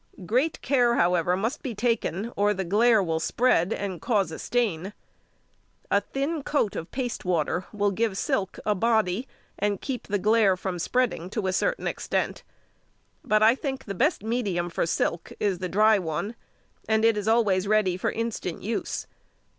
Great care, however, must be taken, or the glaire will spread and cause a stain. A thin coat of paste water will give silk a body and keep the glaire from spreading to a certain extent, but I think the best medium for silk is the dry one, and it is always ready for instant use.